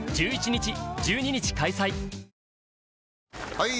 ・はい！